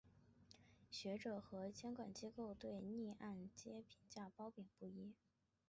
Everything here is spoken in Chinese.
学者和监管机构对逆按揭评价褒贬不一。